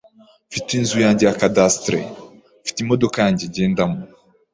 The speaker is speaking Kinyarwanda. mfite inzu yanjye CADASTRE, Mfite imodoka yanjye ngendamo,